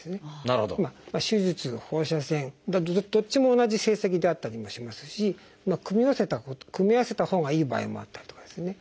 手術放射線どっちも同じ成績であったりもしますし組み合わせたほうがいい場合もあったりとかですね